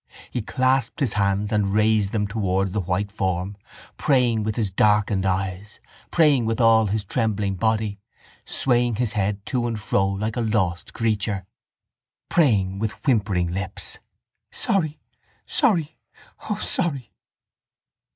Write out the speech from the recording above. He clasped his hands and raised them towards the white form, praying with his darkened eyes, praying with all his trembling body, swaying his head to and fro like a lost creature, praying with whimpering lips. —Sorry! Sorry! O sorry!